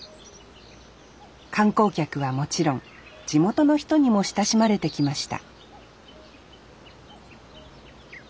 観光客はもちろん地元の人にも親しまれてきました